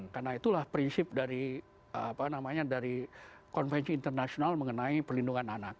karena itulah prinsip dari apa namanya dari konvensi internasional mengenai perlindungan anak